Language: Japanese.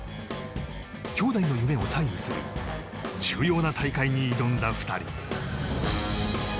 兄妹の夢を左右する重要な大会に挑んだ２人。